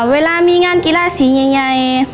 เวลามีงานกีฬาสีใหญ่